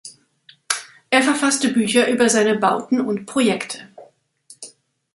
Er verfasste Bücher über seine Bauten und Projekte.